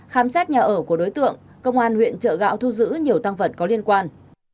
khám xét nhà ở của đối tượng công an huyện trợ gạo thu giữ nhiều tăng vật có liên quan